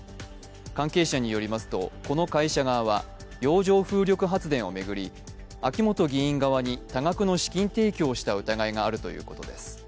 関係者によりますと、この会社側は洋上風力発電を巡り、秋本議員側に多額の資金提供をした疑いがあるということです。